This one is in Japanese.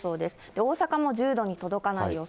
大阪も１０度に届かない予想。